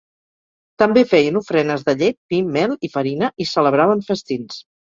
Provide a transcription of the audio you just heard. També feien ofrenes de llet, vi, mel i farina i celebraven festins.